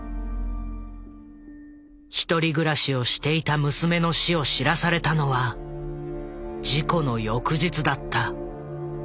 １人暮らしをしていた娘の死を知らされたのは事故の翌日だった。